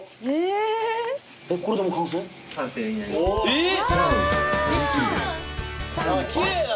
えっ！